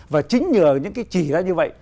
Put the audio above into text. và chính nhờ những cái chỉ ra như vậy